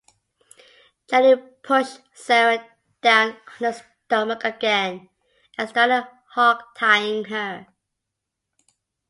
Jenny pushed Sarah down on her stomach again and started hog-tying her.